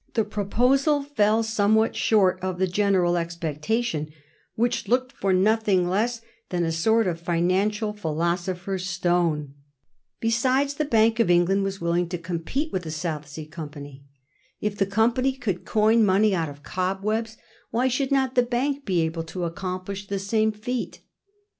The proposal fell somewhat short of the general expectation, which looked for nothing less than a sort of financial philosopher's stone. Besides, the Digiti zed by Google 1720. THE BANK COMPETES. 24? Bank of England was willing to compete with the South Sea Company. If the company could coin money out of cobwebs, why should not the Bank be able to accomplish the same feat